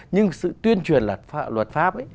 nhưng sự tuyên truyền luật pháp ấy